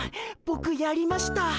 ボクやりました。